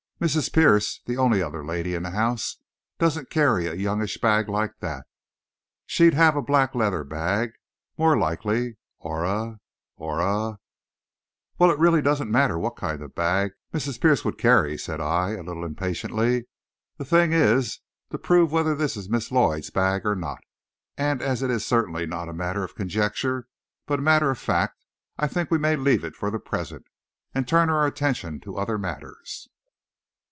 Mrs. Pierce, the only other lady in the house, doesn't carry a youngish bag like that. She'd have a black leather bag, more likely, or a or a " "Well, it really doesn't matter what kind of a bag Mrs. Pierce would carry," said I, a little impatiently; "the thing is to prove whether this is Miss Lloyd's bag or not. And as it is certainly not a matter of conjecture, but a matter of fact, I think we may leave it for the present, and turn our attention to other matters."